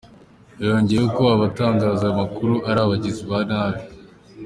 Yongeyeho ko abatangaza aya makuru ari abagizi ba nabi.